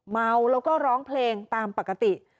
เมาแล้วก็ร้องเพลงตามปกติ